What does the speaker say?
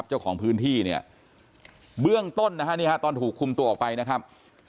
เจ้าของพื้นที่เนี่ยเบื้องต้นนะฮะนี่ฮะตอนถูกคุมตัวออกไปนะครับ